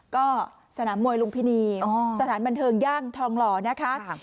ก็สนามมวยลุมพินีสถานบันเทิงย่างทองหล่อนะคะ